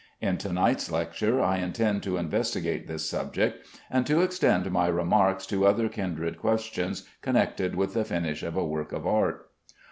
In to night's lecture I intend to investigate this subject, and to extend my remarks to other kindred questions connected with the finish of a work of art.